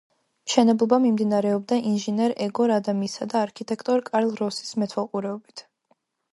მშენებლობა მიმდინარეობდა ინჟინერ ეგორ ადამისა და არქიტექტორ კარლ როსის მეთვალყურეობით.